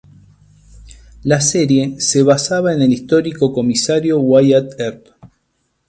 La serie se basaba en el histórico comisario Wyatt Earp.